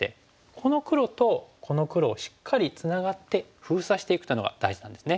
この黒とこの黒をしっかりツナがって封鎖していくっていうのが大事なんですね。